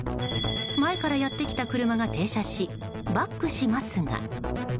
前からやってきた車が停車しバックしますが。